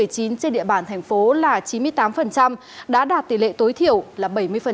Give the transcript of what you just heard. trên địa bàn thành phố là chín mươi tám đã đạt tỷ lệ tối thiểu là bảy mươi